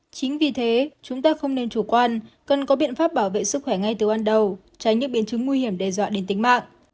chính vì thế chúng ta không nên chủ quan cần có biện pháp bảo vệ sức khỏe ngay từ ban đầu tránh những biến chứng nguy hiểm đe dọa đến tính mạng